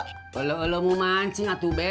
kalau lo mau mancing atuh gue